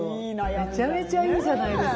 めちゃめちゃいいじゃないですか。